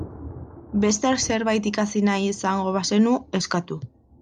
Beste zerbait ikasi nahi izango bazenu, eskatu.